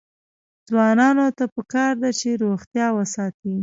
ځوانانو ته پکار ده چې، روغتیا وساتي.